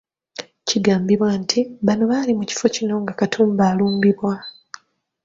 Kigambibwa nti bano baali mu kifo kino nga Katumba alumbibwa.